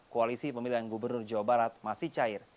koalisi pemilihan gubernur jawa barat masih cair